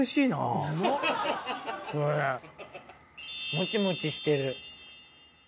もちもちしてる。